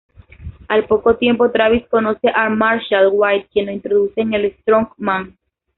Al poco tiempo Travis conoce a Marshall White quien lo introduce en el strongman.